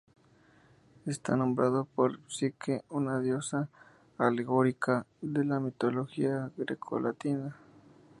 Está nombrado por Psique, una diosa alegórica de la mitología grecolatina.